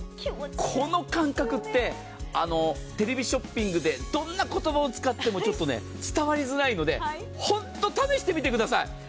この感覚ってテレビショッピングでどんな言葉を使ってもちょっと伝わりづらいので本当、試してみてください。